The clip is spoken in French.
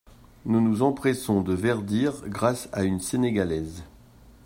Nous nous empressons de verdir grâce à une sénégalaise.